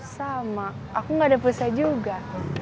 sama aku gak ada pulsa juga